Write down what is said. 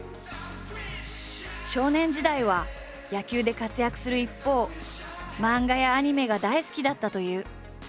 少年時代は野球で活躍する一方漫画やアニメが大好きだったという。